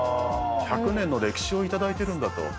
１００年の歴史を頂いてるんだと。